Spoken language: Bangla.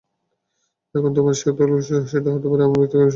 এখন তোমাকে কতল করলে সেটা হতো আমার ব্যক্তিগত শত্রুতা থেকে বদলা নেয়া।